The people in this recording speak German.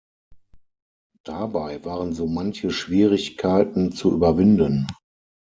Dabei waren so manche Schwierigkeiten zu überwinden.